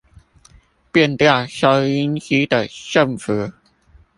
調變收音機的振幅